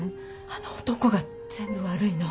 あの男が全部悪いの。